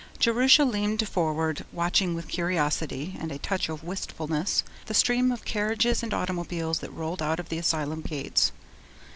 Jerusha leaned forward watching with curiosity and a touch of wistfulness the stream of carriages and automobiles that rolled out of the asylum gates.